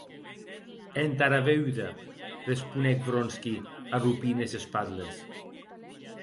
Entara veuda, responec Vronsky, arropint es espatles.